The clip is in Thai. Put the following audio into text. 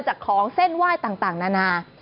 จากของเส้นไหว้ต่างนานา